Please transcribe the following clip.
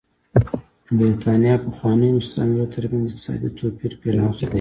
د برېټانیا پخوانیو مستعمرو ترمنځ اقتصادي توپیر پراخ دی.